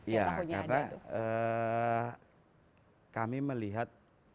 ya karena kami melihat